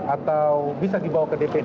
atau bisa dibawa ke dpd